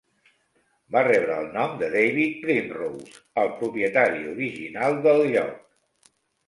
Va rebre el nom de David Primrose, el propietari original del lloc.